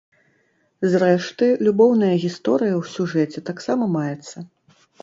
Зрэшты, любоўная гісторыя ў сюжэце таксама маецца.